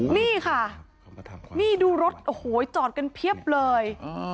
นี่ค่ะนี่ดูรถโอ้โหจอดกันเพียบเลย